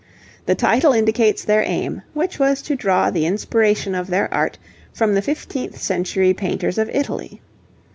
The title indicates their aim, which was to draw the inspiration of their art from the fifteenth century painters of Italy.